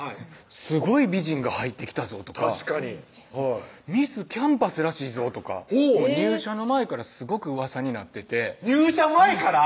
「すごい美人が入ってきたぞ」とか確かに「ミスキャンパスらしいぞ」とかほう入社の前からすごくうわさになってて入社前から？